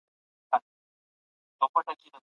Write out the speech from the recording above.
ښايي وګړپوهنه په راتلونکي کي له ټولنپوهني سره یوځای سي.